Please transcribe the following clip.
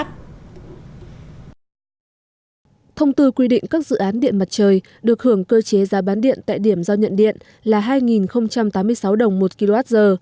các dự án điện mặt trời được hưởng cơ chế giá bán điện tại điểm giao nhận điện là hai tám mươi sáu đồng một kwh